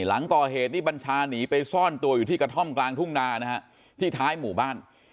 หลังก่อเหตุนี่บัญชาหนีไปซ่อนตัวอยู่ที่กระท่อมกลางทุ่งนานะฮะที่ท้ายหมู่บ้าน